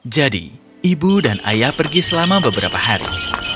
jadi ibu dan ayah pergi selama beberapa hari